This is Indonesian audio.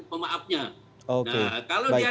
pemaafnya kalau dia